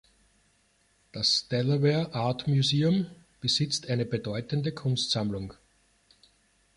Das Delaware Art Museum besitzt eine bedeutende Kunstsammlung.